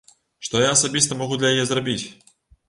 Што я асабіста магу для яе зрабіць?